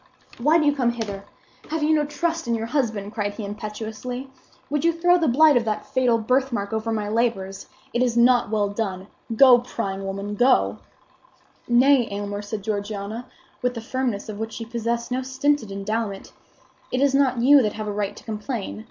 "Why do you come hither? Have you no trust in your husband?" cried he, impetuously. "Would you throw the blight of that fatal birthmark over my labors? It is not well done. Go, prying woman, go!" "Nay, Aylmer," said Georgiana with the firmness of which she possessed no stinted endowment, "it is not you that have a right to complain.